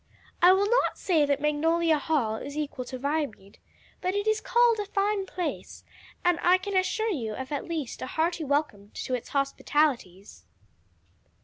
I will not say that Magnolia Hall is equal to Viamede, but it is called a fine place, and I can assure you of at least a hearty welcome to its hospitalities."